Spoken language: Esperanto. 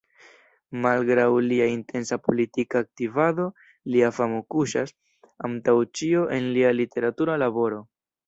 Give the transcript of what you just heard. Malgraŭ lia intensa politika aktivado, lia famo kuŝas, antaŭ ĉio, en lia literatura laboro.